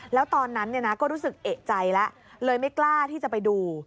แล้วตอนนั้นก็รู้สึกเอกใจแล้วเลยไม่กล้าที่จะไปดู